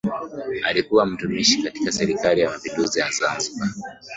Alikuwa mtumishi katika serikali ya mapinduzi ya Zanzibar